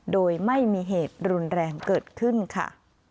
โดยไม่มีเหตุรุนแรงเกิดขึ้นค่ะ